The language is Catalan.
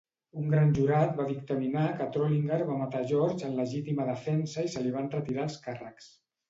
Un gran jurat va dictaminar que Trolinger va matar George en legítima defensa i se li van retirar els càrrecs.